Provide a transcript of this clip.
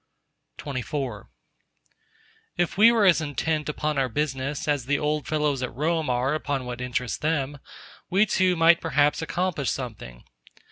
XXIV If we were as intent upon our business as the old fellows at Rome are upon what interests them, we too might perhaps accomplish something.